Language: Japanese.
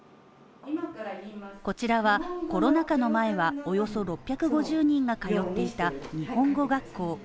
こちらはコロナ禍の前はおよそ６５０人が通っていた日本語学校